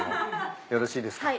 よろしいですか？